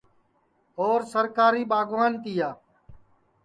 اور سرکاری ٻاگوان تِیا